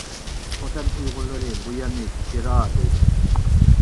خوتەن ئۇيغۇرلىرى بۇ يەرنى چىرا دەيدۇ.